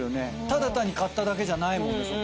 ただ単に買っただけじゃない。